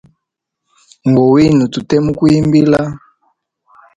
Ngowine tuke muku yimbila.